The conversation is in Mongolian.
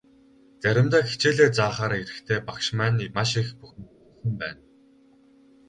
Заримдаа хичээлээ заахаар ирэхдээ багш маань маш их бухимдчихсан байна.